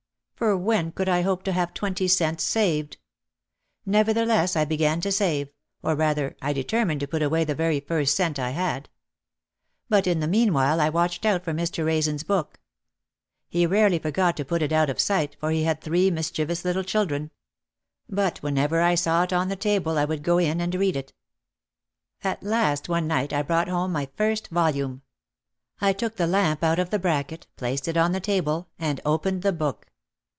For when could I hope to have twenty cents saved ! Nevertheless I began to save, or rather, I determined to put away the very first cent I had. But in the meanwhile I watched out for Mr. Raisen's book. He rarely forgot to put it out of sight for he had three mischievous little 188 OUT OF THE SHADOW children. But whenever I saw it on the table I would go in and read it. At last one night I brought home my first volume. I took the lamp out of the bracket, placed it on the table, and opened the book.